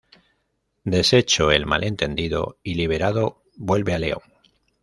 Deshecho el malentendido y liberado vuelve a León.